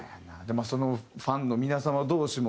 そのファンの皆様同士もね